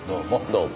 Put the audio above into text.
どうも。